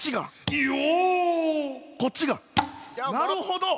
なるほど。